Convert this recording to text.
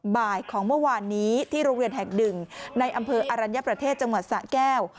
บ่ายของเมื่อวานนี้ที่โรงเรียนแห่งหนึ่งในอำเภออรัญญประเทศจังหวัดสะแก้ว